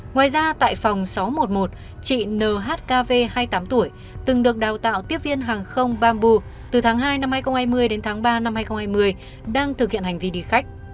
ngoài ra tại phòng sáu trăm một mươi một chị nhkv hai mươi tám tuổi từng được đào tạo tiếp viên hàng không bamboo từ tháng hai năm hai nghìn hai mươi đến tháng ba năm hai nghìn hai mươi đang thực hiện hành vi đi khách